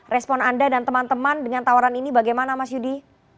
respon anda dan teman teman dengan tawaran ini bagaimana mas yudi